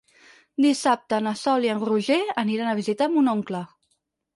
Dissabte na Sol i en Roger aniran a visitar mon oncle.